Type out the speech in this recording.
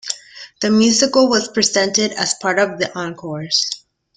The musical was presented as part of the Encores!